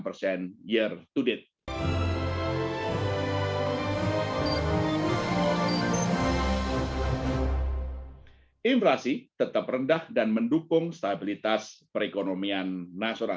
perkembangan nilai tukar tersebut ditopang oleh pasokan valuta asing dalam negeri dan persepsi positif terhadap prospek perekonomian nasional